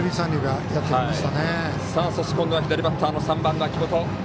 そして今度は左バッター３番の秋元。